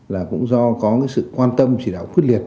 là cũng do có cái sự quan tâm chỉ đạo quyết liệt